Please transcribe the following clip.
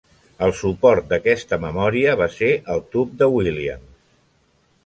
El suport d'aquesta memòria va ser el tub de Williams.